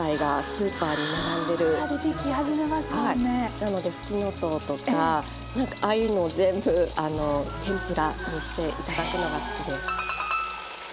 なのでふきのとうとかなんかああいうのを全部天ぷらにしていただくのが好きです。